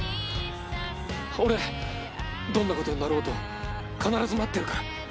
俺どんな事になろうと必ず待ってるから。